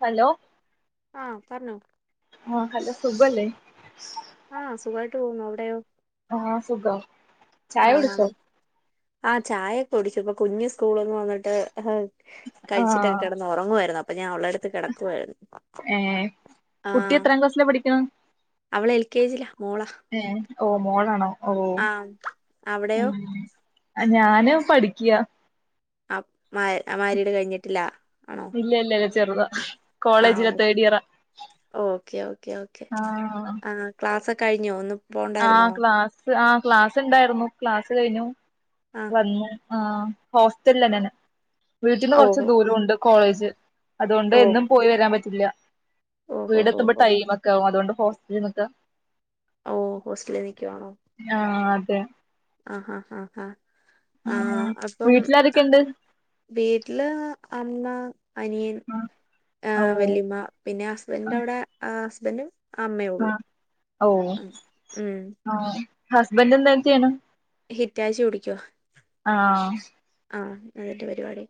Hello ആഹ് പറഞ്ഞോ ആഹ് ഹലോ സുഖല്ലേ ആഹ് സുഖമായിട്ട് പോവുന്നു അവിടെയോ ആഹ് സുഖം ചായ കുടിച്ചോ ആ ചായയൊക്കെ കുടിച്ചു ഇപ്പൊ കുഞ്ഞ് സ്കൂളിൽ നിന്ന് വന്നിട്ട് കഴിച്ചിട്ടൊക്കെ കിടന്ന് ഉറങ്ങുവായിരുന്നു അപ്പൊ അപ്പ ഞൻ ഓളെ ഏ കുട്ടി ആഹ് എത്രാം ക്ലാസ്സിലാ പഠിക്കണ അവള് എൽ കെ ജിലാ മോളാ ഓ മോളാണോ ഓ ആഹ് അവിടെയോ ഉം ഞാന് പഠിക്കയാ ആ മാ മാരിയട് കഴിഞ്ഞിട്ടില്ല ആണോ ഇല്ല ഇല്ല ഇല്ല ചെറുതാ ആ കോളേജിലാ ഓ തേർഡ് ഇയറാ ഓക്കെ ഓക്കെ ഓക്കെ ആഹ് ആ ക്ലാസ്സ് കഴിഞ്ഞോ ഇന്ന് പോണ്ടായിരുന്നോ ആഹ് ക്ലാസ് ആഹ് ക്ലാസ് ഉണ്ടായിരുന്നു ക്ലാസ് കഴിഞ്ഞു ആഹ് വന്നു ആ ഹോസ്റ്റല് തന്നെെ വീട്ടിന്ന് ഓ കൊറച്ച് ദൂരംണ്ട് കോളേജ് അതുകൊണ്ട് ഓ എന്നും പോയി വരാൻ പറ്റില്ല ഓഹോ വീടെ ഹോ ഹോ എത്തുമ്പോ ഹോ ടൈമ് ഒക്കെ ആകും അതുകൊണ്ട് ഹോസ്റ്റലിൽ നിക്കാ ഓ ഹോസ്റ്റലിൽ നിൽക്കുവാണോ ആഹ് അതെ ആഹ് ആഹ് ആഹ് ആഹ് ആഹ് അപ്പം വീട്ടിലാരൊക്കെണ്ട് വീട്ടില് അമ്മ അനിയൻ ആ ഓ വല്ലിയമ്മ പിന്നെ ഹസ്ബൻഡന്റെ അവിടെ ഹസ്ബൻറും ആ ഓ ഉം ആ ഹസ്ബൻ്റ് ഹിറ്റാച്ചി ഓടിക്കുവാ ആഹ! ആ അതിൻ്റെ പരിപാടി.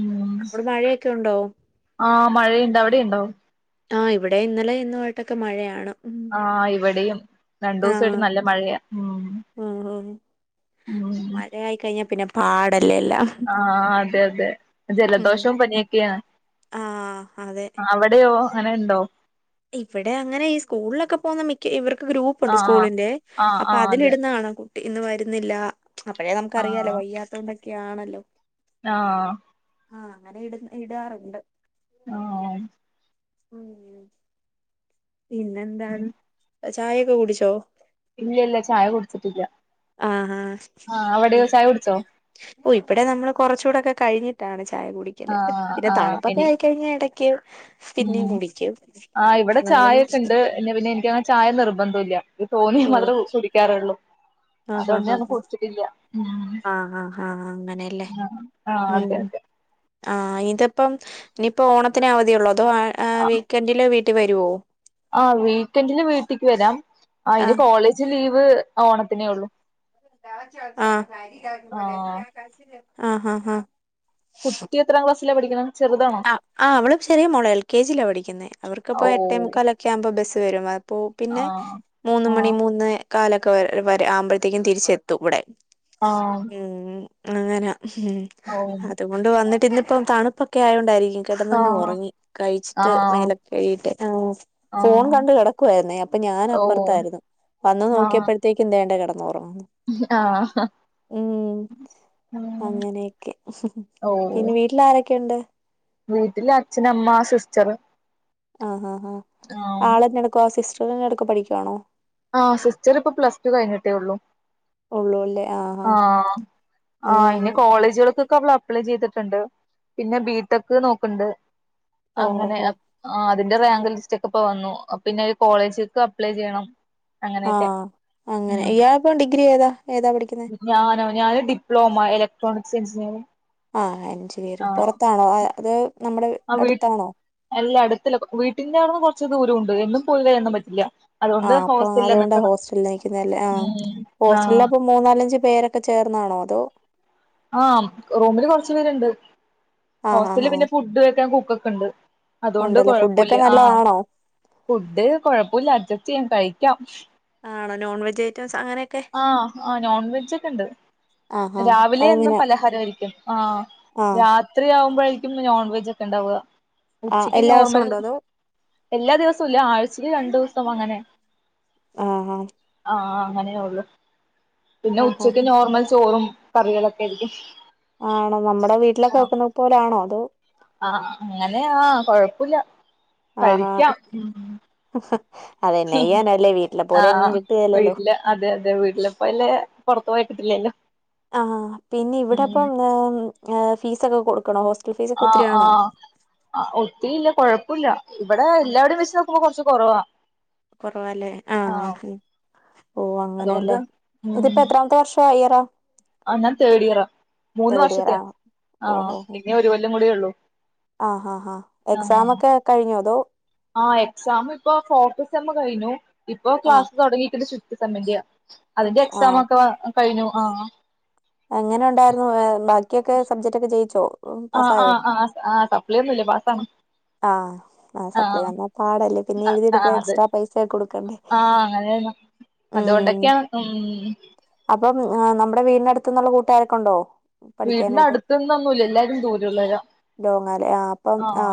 ഉം അവിടെ മഴയൊക്കെ ഉണ്ടോ ആ മഴയുണ്ട് അവിടെയുണ്ടോ? ആ ഇവിടെ ഇന്നലെ ഇന്നയിട്ടൊക്കെ മഴയാണ്. ഉം ആ ഇവിടെയും. രണ്ടു ആഹ് ദിവസമായിട്ട് നല്ല മഴയാ ഉം ഉം ഉം ഉം മഴയായി കഴിഞ്ഞാ പിന്നെ പാടല്ലേ എല്ലാം ആഹ! അതെ! അതെ! ഉം ജലദോഷവും പനിയൊക്കെയാണ്. ആഹ് അതെ അവിടെയോ അങ്ങനെ ഉണ്ടോ? ഇവിടെ അങ്ങനെ ഈ സ്കൂളിലൊക്കെ പോകുന്ന മിക്ക ഇവർ ക്ക് ഗ്രൂപ്പുണ്ട് ആഹ് സ്കൂളിന്റെ ആഹ് ആഹ് അപ്പൊ ആഹ് അതില അതെ ഇടുന്ന കാണാം കുട്ടി ഇന്ന് വരുന്നില്ല. അപ്പഴേ നമുക്കറിയാലോ ആഹ് വയ്യാത്ത കൊണ്ടൊക്കെ ആണല്ലോ. ആഹ് ആഹ! അങ്ങനെ ഇ ഇടാറുണ്ട് ആഹ് ഉ പിന്നെന്താണ് ചായയൊക്കെ കുടിച്ചോ? ഇല്ല ഇല്ല ചായ കുടിച്ചിട്ടില്ല. ആഹഹ ആഹ് അവിടെയോ ചായ കുടിച്ചോ ഓ ഇവിടെ നമ്മൾ കൊറച്ചുടൊക്കെ- കഴിഞ്ഞിട്ടാണ് ച്ച് ചായ കുടിക്കല്. ആഹ് പിന്നെ ആഹ് തണുപ്പൊക്കെ എനി ആയികഴിഞ്ഞ ഇടക്ക് പിന്നെയും കുടിക്കും. ചായക്കെണ്ട് പിന്ന പിന്നെ എനിക്കങ്ങനെ ചായ നിർബന്ധം ഇല്ല ഇത് തോന്നി ഓ മാത്രേ കുടിക്കാറുള്ളൂ. ആഹ് ആഹ് അതൊട്ന്നെന്ന് ആഹ് കുടിച്ചിട്ടില്ല ഉം ആഹ് ആഹ് ആഹ് അങ്ങനെയല്ലേ ആഹ! ആഹ! അതെ! അതെ. ആഹ! ഇതിപ്പം ഇനിയിപ്പോ ഓണത്തിന് അവധിയെ ഉള്ളോ അതോ വീക്കെൻഡില് വീട്ടിൽ വരുവോ? ആ വീക്കെന്ഡില് വീട്ടിക്ക് വരാം. അയ് ന് ആഹ് കോളേജ് ലീവ് ഓണത്തിനേ ഉള്ളു. ആഹ് ആഹ് ആഹ് ആഹ് ആഹ്. കുട്ടി എത്രാം ക്ലാസ്സിലാ പഠിക്കണെ? ചെറുതാണോ ആഹ് ആഹ് അവള് ചെറിയ മോളാ എൽ കെ ജിലാ പഠിക്കുന്നെ. അവർക്കിപ്പോ ഓഹ് എട്ടേമുക്കാലൊക്കെ ആവുമ്പോ ബസ്സ് വരും വ അപ്പോ പിന്നെ ആഹ് മൂന്ന് മണി മൂന്ന് കാലൊക്കെ വരെ ആവുമ്പോഴത്തേക്കും തിരിച്ചെത്തു ഇവിടെ. ആഹ് ആഹ് ഉം അങ്ങനെ ഓഹ് അതുകൊണ്ട് വന്നിട്ട് ഇന്നിപ്പം തണുപ്പ് ക്കെ ആയോണ്ടായിരിക്കും കെടന്നങ്ങ് ആഹ് ഒറങ്ങി. കഴിച്ചിട്ട് ആഹ് മേലൊക്കെ കഴീട്ട്. ആഹ് ഫോൺ ആഹ് കണ്ട് കിടക്കുവായിര്ന്നേ അപ്പ ഓഹ് ഞാനപ്പുറത്തായിരുന്നു. വന്ന് ആഹ് നോക്കിയപ്പഴത്തേക്ക് ദേണ്ടെ കെട ആഹ് ഉം അങ്ങനെയൊക്കെ. ഓഹ് പിന്നെ വീട്ടിലാരൊക്കെയുണ്ട്? വീട്ടില് അച്ഛനമ്മ സിസ്റ്ററ് ആഹ! ആ.. ആ.. ആളെന്നെടുക്കുവാ [unintelligible] പഠിക്കവാണോ? ആഹ് സിസ്റ്റർ ഇപ്പോ പ്ലസ് ടു കഴിഞ്ഞിട്ടേ ഒള്ളു ഉള്ളൂ അല്ലേ! ആഹ് ആഹ് ഇനി ഉം കോളേജുകൾക്ക് ക്കെ അവള് അപ്ലൈ ചെയ്തിട്ടുണ്ട് പിന്നെ ബിടെക് നോക്കണ്ട്. ഓഹോ അങ്ങനെഅത് ആഅതി എന്റെ റാങ്ക് ലിസ്റ്റ ഒക്കെ ഇപ്പോ വന്നു. പിന്നെ ഒരു കോളേജെ അപ്ലൈ ചെയ്യണം. ആഹ! അങ്ങനെയൊക്കെ അങ്ങനെ ഉം ഇയാള് ഇപ്പോ ഡിഗ്രി ഏതാ? ഏതാ പഠിക്കുന്നെ ഞാനോ ഞാന് ഡിപ്ലോമ ഇലക്ട്രോണിക്സ് എഞ്ചിനീയറിംഗ്. ആഹ് അഞ്ചു പേര് ആഹ് പുറത്താണോ അത് നമ്മുടെ ആഹ് വീട്ട് അടുത്താണോ അല്ല അടുത്തല്ല വീട്ടിന്റെവ്ട്ന്ന് കൊർച്ച് ദൂരവുണ്ട് എന്നും പോയിവരാനൊന്നും പറ്റില്ല അതുകൊണ്ട് ആഹ് അപ്പൊ ഹോസ്റ്റലിലാ അതുകൊണ്ടാ നിക്കണെ ഹോസ്റ്റലില് നിക്കുന്നല്ലേ ആഹ്. ഉം ഹോസ്റ്റലിൽ ആഹ് അപ്പ മൂന്നാലഞ്ച് പേരൊക്കെ ചേർന്നാണോ അതോ? ആഹ! റൂമില് കുറച്ചു പേരുണ്ട് ആഹ് ആഹ് ഹോസ്റ്റലില്. ആഹ് പിന്നെ ഫുഡ് വെക്കാൻ കുക്കൊക്കെ ഉണ്ട്. അതുകൊണ്ട് ഉണ്ടല്ലേ ഫുഡൊക്കെ കൊഴപ്പില്ല ആഹ! നല്ലതാണോ ഫുഡ് കൊഴപ്പില്ല അഡ്ജസ്റ്റ് ചെയ്യാൻ കഴിക്കാം. ആണോ നോൺവെജ് ഐറ്റംസ് അങ്ങനെയൊക്കെ ആഹ് ആ നോൺ വെജ് ഒക്കെ ഇണ്ട് ആഹാ രാവിലെ എന്നും അതെങ്ങനെ പലഹാരമായിരിക്കും ആഹ് ആഹ് രാത്രി ആവുമ്പോഴും നോൺവെജ് ഒക്കെ ഉണ്ടാവുക ആഹ് ഉച്ചയ്ക്ക് എല്ലാ ദിവസവും നോർമൽ ഉണ്ടോ അതോ എല്ലാ ദിവസവുംല്ല ആഴ്ചക്ക് രണ്ടു ദിവസം അങ്ങനെ ആഹ് ആഹ് ആഹ അങ്ങനെയള്ളു പിന്നെ ഓഹോ ഉച്ചക്ക് നോർമൽ ചോറും കറികളൊക്കെയാരിക്കും ആണോ നമ്മുടെ വീട്ടിലൊക്കെ വെക്കുന്നത് പോലൊണോ അതോ ആഹ് അങ്ങനെയാ കൊഴപ്പില്ല ആഹാ കഴിക്കാം അതെന്നെ ചെയ്യാനല്ലേ വീട്ടിലെ പോലെ എങ്ങും ആഹ് കിട്ടുകേലല്ലോ വീട്ടില് അതെ അതെ വീട്ടിലപ്പ പുറ തോയിട്ടില്ലല്ലോ ആഹ് പിന്നെ ഇവിടിപ്പം ഫീസ് ഒക്കെ കൊടുക്കണോ ഹോസ് ആ ആഹ് ആ ഒത്തിരി ഇല്ല കുഴപ്പമില്ല ഇവിടെ എല്ലാടെയും വെച്ച് നോക്കുമ്പോ കുറച്ച കുറവാ കൊറവല്ലേ ആഹ ഓ അതുകൊണ്ട് അങ്ങനെയല്ലേ ഇതിപ്പോ എത്രാമത്തെ വർഷംയിറാ ആ ഞാൻ തേർഡ് ഇയറാ മൂന്ന് തേർഡ് ഇയർ ആ വർഷത്തേയാ ആ ഇനിഒരു കൊല്ലം കുടിയേയുള്ളു ആഹ് ഹാ എക്സാം ഒക്കെ കഴിഞ്ഞോ അതോ ആഹ എക്സാം ഇപ്പോ ഫോർത്ത് സെമ്മ് കഴിഞ്ഞു ഇപ്പൊ ആ ക്ലാസ് തുടങ്ങിട്ടുണ്ട് ഫിഫ്ത്ത് സെമ്മിന്റെയാ അതിന്റെ എക്സ് ആ എക്സാം ഓക്കെ. ഒക്കെ കഴിഞ്ഞു ആഹ് എങ്ങനെ ഉണ്ടായിരുന്നു വേ ബാക്കി ബാക്കിയൊക്കെ സബ്ജക്റ്റ് ഒക്കെ ജയിച്ചോ ആഹ് പാസായോ ആഹ് ആഹ് ആഹ് സപ്ലി ഒന്നുല്ല പാസ്സാണ് ആഹ് ആ സപ്ലി ആഹ് വന്നാ പാടല്ലേ പിന്നെ ആഹ് എഴുതിയെടുക്ക എക്സ്ട്രാ പൈസ കൊടുക്കണ്ടേ ഉം ഉം അതുകൊണ്ടൊക്കെയ ഉ അപ്പം നമ്മുടെ വീടിന്റെനടുത്ത നിന്നുള്ള കൂട്ടുകാരൊക്കെ ഉണ്ടോ വീടിന്റെ പഠിക്കാനായിട്ട് അടുത്തന്നൊന്നുംല്ല എല്ലാരും ദൂരള്ളരാ ലോങ്ങാലെ ആ അപ്പം ആഹ ആ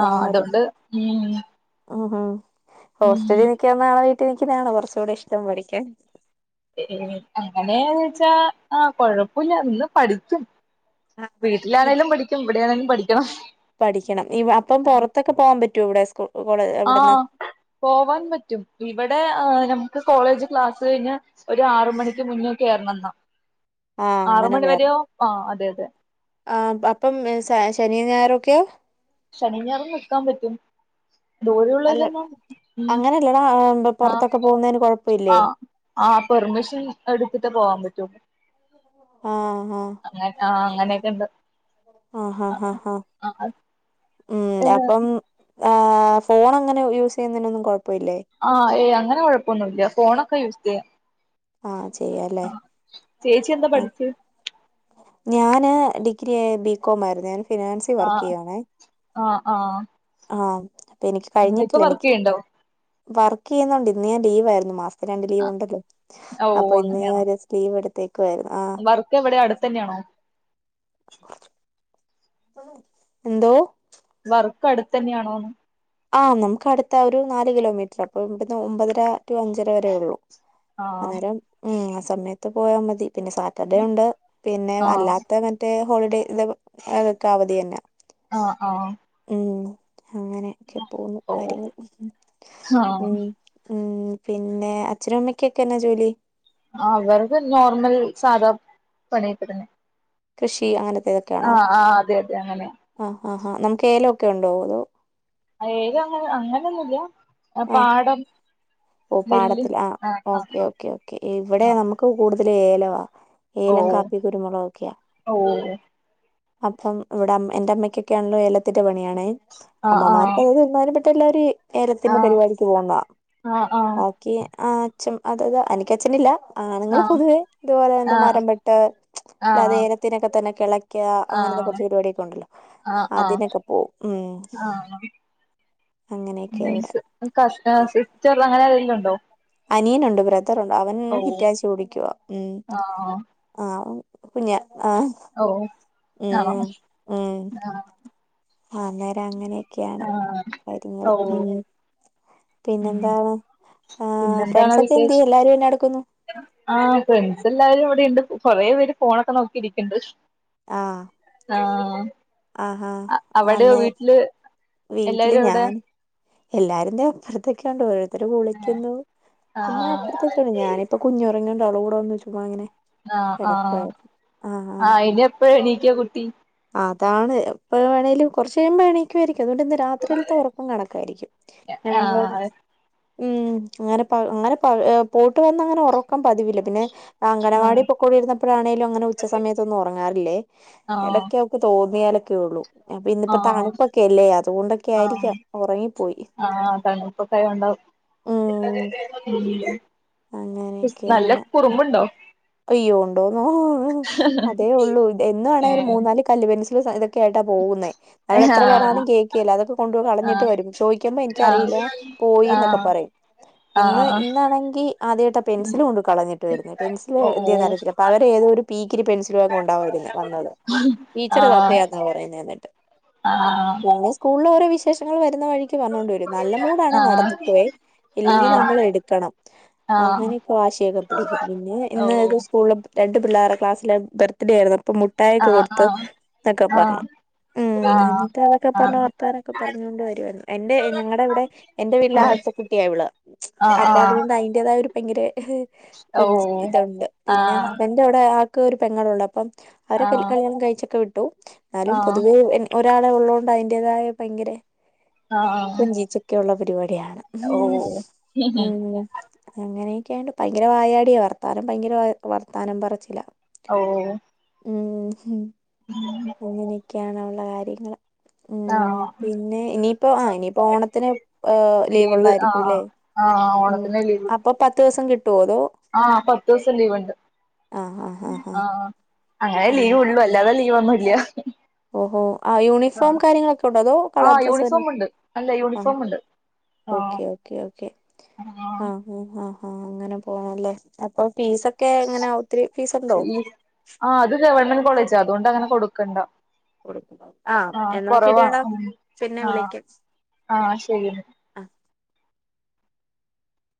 ആഹ അതുകണ്ട് ഉ ഉം ഹ ഹോസ്റ്റലിൽ നിക്കുന്നാണോ വീട്ടിൽ നിക്കുന്നതാണോ കുറച്ച് കൂടി ഇഷ്ടം പഠിക്കാൻ ഏ അങ്ങനെയന്ന് വെച്ചാ ആ കൊഴപ്പില്ല അന്ന് പഠിക്കും ഇ വീട്ടിലാണേങ്കിലും പഠിക്കും ഇവിടെയാണെങ്കിലും പഠിക്കണം അപ്പം പുറത്തൊക്കെ പോവാൻ പറ്റൂ ഇവിടെ സ്കൂ കോളേ ഇവിടുന്ന് ആഹ് പോവാൻ പറ്റും ഇവിടെ ആ കോളേജ് ക്ലാസ് കഴിഞ്ഞ ഒരു ആറ് മണിക്ക് മുന്നേ കയറണം എന്നാ ആ ആറു അങ്ങനെ മണി കേറണം വരെയോ ആ അതെ അതെ ആ അപ്പം ശനിയും ഞായറോക്കെയോ ശനിഞ്ഞാർ നിെക്കാൻ പറ്റും അല്ല ദൂരെയള്ളവരെന്നാ അങ്ങനെയല്ലടാ ആ, ബ- ആ പുറത്തൊക്കെ പോകുന്നതിന് ആ കുഴപ്പമില്ലേ ആ ആ അങ്ങ ആ അങ്ങനെയൊക്കെ ഉണ്ട് ആ ഹഹ ആ ഹഹ ഉം അപ്പം ആ് ഫോൺ അങ്ങനെ യൂസ് ചെയ്യുന്നതിനൊന്നും കുഴപ്പ ആ ഏയ് അങ്ങനെ കൊഴപ്പൊന്നുല്ല ഫോണ് ആ ചെയ്യല്ലേ ചേച്ചി എന്താ ആ പഠിച്ചേ ഞാൻ ന് ഡിഗ്രി ബികോം ആയിരുന്നു ഞാൻ ഫിനാൻസി വർക്ക് ആഹ് ചെയ്യണേ ആഹ് ആഹ് ആ എനിക്ക് ഇപ്പൊ കഴിഞ്ഞിട്ടില്ല വർക്ക് എനിക്ക് ചെയ്യണ്ടോ രണ്ട് ലീവ് ഉണ്ടല്ലോ ഓ അപ്പൊ ഇന്ന് അങ്ങനെയാണോ ഞാൻഒരു ദിവസം ലീവ് എടുത്തേ വർക്ക് എവിടാ അടുത്ത് തന്നെയാണോ എന്തോ വർക്ക് അടുത്ത് തന്നെയാണോന്ന് ആ നമുക്ക് അടുത്ത ഒരു നാല് കിലോമീറ്റർ അപ്പൊ ഇവിടുന്ന് ഒമ്പതര ടു അഞ്ചര വരേ ഉള്ളൂ ആഹ് അന്നേരം ഉം ആ സമയത്ത് പോയാ മതി പിന്നെ സാറ്റർഡേ ഉണ്ട് പിന്നെ ആഹ് അല്ലാത്ത മറ്റേ ഹോളിഡേ ഇതോക്കെ അവധി തന്നെ ആ ആ ഉ അങ്ങനെയൊക്കെ പോകുന്നു ഓ കാര്യങ്ങൾ ഉം ആഹ് ഉം പിന്നെ അച്ഛനും അമ്മക്കൊക്കെന്നാ ജോലി അവര്ത് നോർമൽ സാധാ പണിയൊക്കെ തന്നെ കൃഷി അങ്ങനത്തെതൊക്കെയാണോ ആആ അതെ അതെ അങ്ങനെയ ആ നമുക്ക് ഏലൊക്കെണ്ടോ അതോ ഏലം അങ്ങനെ അങ്ങനെന്നുല്ല ആഹ് പാടം ഓ നെല്ല് പാടത്തില് ആ ആഹ് ഓക്കേ ആഹ് ആഹ് ഓക്കേ ഓക്കേ ഇവിടെ ആഹ് നമുക്ക് കൂടുതൽ ഏലവാ ഓ ഏലം കാപ്പി കുരുമുളക് ഒക്ക്യ ഓ അപ്പം ഇവിടം എന്റെ അമ്മക്കൊക്കെയാണല് എഏത്തിന്റെ പണിയാണ് ആഹ് ആഹ് അമ്മമാർക്ക് അ തരുമാ മറ്റല്ലാര് ഏലത്തിന്റെ പരിപാടിക്ക് പോവുന്ന ആഹ് ആഹ് ബാക്കി ആ അച്ഛൻ അതത എനക്ക് അച്ഛന് ഇല്ല ആണുങ്ങള് ആഹ് പൊതുവേ ഇതുപോലെ എന്താ ആഹ് മരംവെ ട്ട് ആഹ് അല്ലാതെഏലത്തിനൊക്കെ തന്നെ കിളക്ക അങ്ങനത്തെ ആഹ് കുറച്ച് പരിപാടിയൊക്കെ ഉണ്ടല്ലോ ആഹ് ആഹ് ആഹ് അതിനൊക്കെ പോവും ഉം ആഹ് അങ്ങനെയൊക്കെ ഇവിടെ [unintelligible] അനിയനുണ്ട് ബ്രതറുണ്ട് അവൻ ഓ ഹിറ്റാച്ചി ഓടിക്കുവാ ഉ ആ ആ കുഞ്ഞ ഓ ആണോ മ് മ് മ് ആ അന്നേരം അങ്ങനെയൊക്കെയാണ് ആ കാര്യങ്ങള് ഓ ഉം ഉം പിന്നെന്ത ആ പിന്നെന്താണ് ഫ്രണ്ട്സ് ഒക്കെ എന്തേ വിശേഷം എല്ലാരും എന്നാ എടുക്കുന്നു ആ ഫ്രണ്ട്സ് എല്ലാരും ഇവിടെണ്ട് കൊറേ പേര് ഫോണൊക്കെ നോക്കിയിരിക്ക്ണ്ട് ആ ആ ആഹാ അവിടൊ അന്നേ വീട്ടില് വീട്ടില് എല്ലാരും എവിടെ ഞാൻ എല്ലാരുന്റെയും അപ്പുറത്തെക്കാണ്ട് ഓ തര് കുളിക്കുന്നു ആ പിന്നെ അപ്പറത്തേക്ക ഞാനിപ്പോ കുഞ്ഞുറങ്ങണ്ട അവളും കൂടെന്നന്ന് ചുമ്മങ്ങനെ ആ ആ ആ ഇനി എപ്പഴ എണീക്ക കുട്ടി ആഹ് അതാണ് എപ്പ വേണെങ്കലും കുറച്ച് കഴുമ്പോ എണീക്കുവായിരിക്കും അതുകൊണ്ട് ഇന്ന് രാത്രിയിലത്തെ ഉറക്കം കണക്കായിരിക്കും ആ ആ ഞങ്ങ [inaudible] ഉം അങ്ങനെ പ അങ്ങനെ പൂട്ടി വന്ന അങ്ങനെ ഉറക്കൻ പതിവില്ല പിന്നെ ആ അംഗനവാടി പോക്കൊണ്ടി രുന്നപ്പോഴാണേങ്കലും അങ്ങനെ ഉച്ച സമയത്തൊന്നും ഉറങ്ങാറില്ലേ ഇടക് തോന്നിയാലൊക്കെ ഉള്ളു അപ്പൊ ആ ഇന്നിപ്പോ തണുപ്പൊക്കെല്ലേ അതുകൊണ്ടൊക്കെ ആയിരിക്കാം ഉറങ്ങിപ്പോയി ആഹ അതാണ് ഇപ്പൊ കൈ ഉണ്ടാവും ഉം നല്ല അങ്ങനെയൊക്കെയാണ് കുറുമ്പുണ്ടോ അയ്യോ ഉണ്ടോന്നോ അതേ ഉള്ളൂ എന്നാണേ ഏ ഒരു മൂന്നാല് കല്ല് പെൻസൽ സായി ഏട്ടാപോകുന്നേ നമ്മൾ ആ എത്ര പറഞാലും കേൾക്കല്ല അത് കൊണ്ട് ആ കളഞ്ഞിട്ട് വരും ചോദിക്കുമ്പോ ആ എനിക്കറിയില്ല ആ പോയിന്നൊക്കെ പറയും ഇന്ന് ആഹ് ഇന്നാണെങ്കി ആദ്യമായിട്ട പെൻസൽ കൊണ്ട് കളഞ്ഞിട്ട് വരുന്നു പെൻസില് ഓ ഓ എന്താന്ന് അറിയത്തില്ല പകരം പി ഇത്തിരി പെൻസില വക്കെ ഉണ്ടാമായിരുരുന്നു വന്നത് ടീച്ചറ് തന്നയാന്നാ പറയുന്നത് എന്നിട്ട് ആഹ ള്ള ഓരോ വിശേഷങ്ങൾ വരുന്ന വഴിക്ക് പറഞ്ഞോണ്ട വരും നല്ല മൂടാണ് ആഹ് നടന്നുക്കുവേ ഇല്ലെങ്കിൽ ആഹ് നമ്മൾ എടുക്കണം ആഹ് അങ്ങനെയൊക്കെ വാശിയൊക്കെ പിടിക്കും പിന്നെ ഓ ഇന്ന് ഇത് സ്കൂളിൽ രണ്ട് പിള്ളേടെ ക്ലാസ്സിലെ ബർത്ത്ഡേ ആയിരുന്നു ഇപ്പൊ മുട്ടായിക്ക ആഹ് കൊടുത്ത് ആഹ് എന്നൊക്കെ പറഞ്ഞു ആഹ് ഉം ആഹ് എന്നിട്ട് അതൊക്കെ ആഹ് ആഹ് ആഹ് പറഞ്ഞ ആഹ് വർത്താനൊക്കെ പറഞ്ഞൊണ്ട് വരുമായിയിരുന്നു എന്റെ ഞങ്ങളടെ ഇവിടെ എന്റെ വ [inaudible] അപ്പോ ത്തിന്റെ തയാ ഭയങ്കര ഓ കൊഞ്ച് ഇതുണ്ട് പിന്നെ ആഹ് ഹസ്ബൻഡ അവിടെ ആൾക്ക് ഒരു പെങ്ങൾ ഉള്ളൂ അപ്പം അവര ആഹ് കല്യാണം കഴിച്ചൊക്കെ വിട്ടു എന്നാലും ആഹ് പൊതുവേ ഒരാൾ ഉള്ളണ്ട് അതിന്റതായ ഭയങ്കര ആഹ് കൊഞ്ചിച്ചൊക്കെള്ള പരിപാടി ഓ ഉം അങ്ങനെയൊക്കെയണ്ട് ഭയങ്കര വായാടിയ വർ വർത്താനം ഭയങ്കര വർത്താനം പറച്ചില ഓ ഉം അങ്ങനെയൊക്കെയാണ് അവൾടെ കാര്യങ്ങള് ഉം ഉം ആഹ് പിന്നെ ഇനിയിപ്പ ആഹ് ഇനിയിപ്പോ ഓണത്തിന് ലീവ് ആഹ് ലീവ്ള്ളയിരിക്കുംല്ലേ ആഹ് ഉം ഓണത്തിന് ലീവ് അപ്പൊ പത്തു ദിവസം കിട്ടുവോ അതോ ആഹ് പത്ത് ദിവസം ലീവ്ണ്ട് ആ ആ ആ ആ ആഹ് അങ്ങനെ ആ ലീവള്ളൂ അല്ലാതെ ലീ ഒന്നുല്ല ഓഹോ ആഹ് യൂണിഫോം കാര്യങ്ങളൊക്കെ ഉണ്ടോ അതോ കളർ ആഹ് ഡ്രസ്സ് തന്നെ യൂണിഫോം ഉണ്ട് അല്ല ആഹ് യൂണിഫോം ഉണ്ട് ഓക്കെ ആഹ് ഓക്കെ ഓക്കെ ആഹ് ആഹ് അങ്ങനെ പോണല്ലേ അപ്പം ഫീസ് ആഹ് അത് ഗവൺമെന്റ് കോളേജാ അതുകൊണ്ട് അങ്ങനെ കൊടുക്കണ്ട ആഹ് എന്നാ കൊറവാ ശരിയാടാ ഉം പിന്നെ ആഹ് വിളിക്കാം ആഹ് ശരി ആ